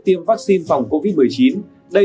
tiêm vắc xin phòng covid một mươi chín đây